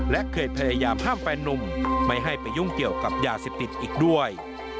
และเคยพยายามห้ามแฟนนุ่มไม่ให้ไปยุ่งเกี่ยวกับยาเสพติดอีกด้วย